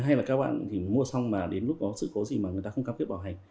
hay là các bạn thì mua xong mà đến lúc có sự cố gì mà người ta không cam kết bảo hành